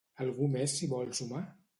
Algú més s’hi vol sumar?